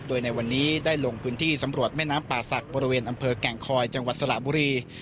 โดยในวันนี้ได้ลงพื้นที่สำรวจแม่น้ำป่าศักดิ์บริเวณอำเภอแก่งคอยจังหวัดสระบุรี